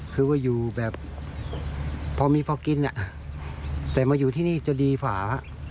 คือว่าอยู่แบบพอมีพอกินแต่มาอยู่ที่นี่จะดีฝา